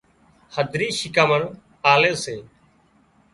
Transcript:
هڌرِي شيکامڻِ آلي سي